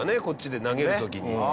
こっちで投げる時に。